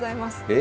え？